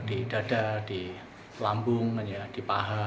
di dada di lambung di paha